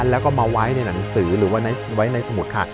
แล้วก็มาไว้ในหนังสือหรือว่าไว้ในสมุดค่ะ